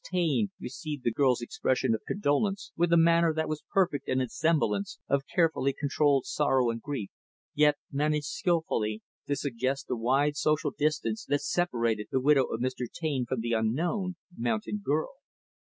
Taine received the girl's expression of condolence with a manner that was perfect in its semblance of carefully controlled sorrow and grief, yet managed, skillfully, to suggest the wide social distance that separated the widow of Mr. Taine from the unknown, mountain girl.